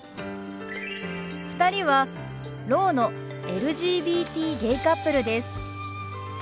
２人はろうのＬＧＢＴゲイカップルです。